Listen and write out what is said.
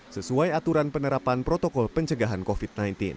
sesuai aturan penerapan protokol pencegahan covid sembilan belas